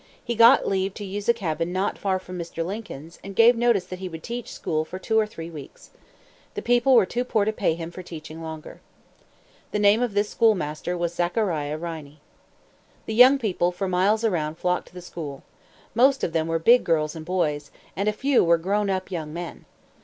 He got leave to use a cabin not far from Mr. Lincoln's, and gave notice that he would teach school for two or three weeks. The people were too poor to pay him for teaching longer. The name of this schoolmaster was Zachariah Riney. The young people for miles around flocked to the school. Most of them were big boys and girls, and a few were grown up young men.